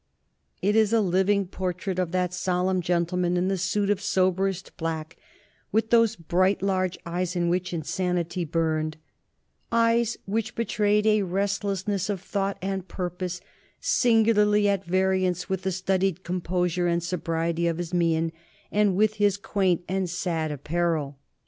It is a living portrait of that solemn gentleman in the suit of soberest black, with those bright large eyes in which insanity burned, "eyes which betrayed a restlessness of thought and purpose, singularly at variance with the studied composure and sobriety of his mien, and with his quaint and sad apparel."